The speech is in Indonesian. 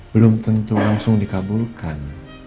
belum tentu langsung dikabulkan